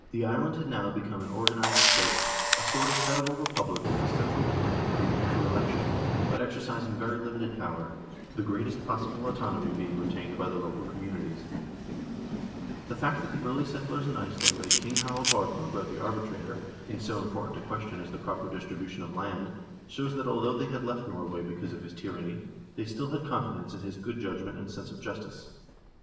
The island had now become an organized state — a sort of federal republic with a central government created through election, but exercising very limited power, the greatest possible autonomy being retained by the local communities. The fact that the early settlers in Iceland made King Harald Haar fagre the arbitrator in so important a question as the proper distri bution of land shows that, although they had left Norway because of his tyranny, they still had confidence in his good judgment and sense of justice.